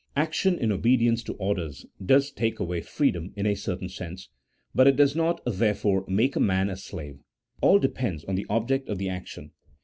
Action in obedience to orders does take away freedom in a certain sense, but it does not, therefore, make a man a slave, all depends on the object of the action.